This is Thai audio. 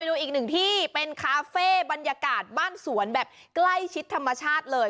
ดูอีกหนึ่งที่เป็นคาเฟ่บรรยากาศบ้านสวนแบบใกล้ชิดธรรมชาติเลย